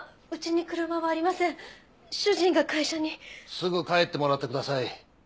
すぐ帰ってもらってください。